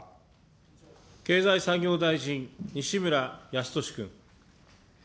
経済産業大臣、西村康稔君。